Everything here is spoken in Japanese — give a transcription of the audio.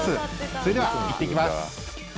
それでは行ってきます。